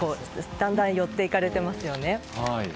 だんだん寄って行かれてますよね。